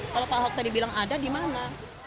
kalau pak ahok tadi bilang ada di mana